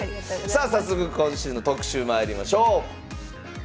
さあ早速今週の特集まいりましょう。